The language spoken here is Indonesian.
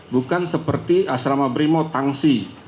bukan seperti asrama brimo tangsi